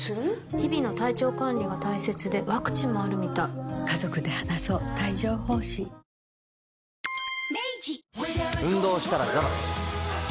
日々の体調管理が大切でワクチンもあるみたい明治運動したらザバス。